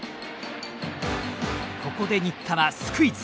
ここで新田はスクイズ。